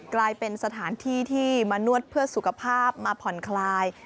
กลายเป็นสถานที่ที่มานวดเพื่อสุขภาพมาผ่อนคลาย